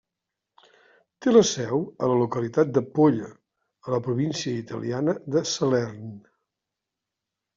Té la seu a la localitat de Polla, a la província italiana de Salern.